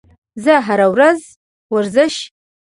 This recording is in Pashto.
زه هره ورځ ورزش